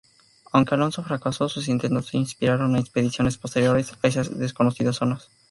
Aunque Alonso fracasó, sus intentos inspiraron a expediciones posteriores a esas desconocidas zonas.